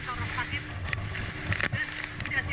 untuk menjaga kemampuan orang sakit